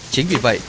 chính vì vậy